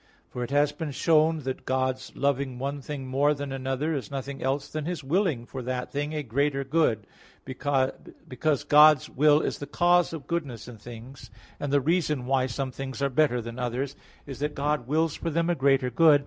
For it has been shown (AA. 2, 3), that God's loving one thing more than another is nothing else than His willing for that thing a greater good: because God's will is the cause of goodness in things; and the reason why some things are better than others, is that God wills for them a greater good.